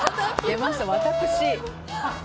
出ました、私。